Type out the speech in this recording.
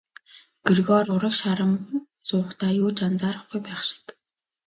Грегори урагш харан суухдаа юу ч анзаарахгүй байх шиг.